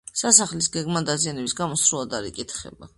სასახლის გეგმა, დაზიანების გამო, სრულად არ იკითხება.